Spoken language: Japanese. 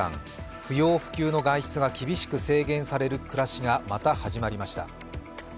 不要不急の外出制限が厳しく制限される暮らしがまた始まりました。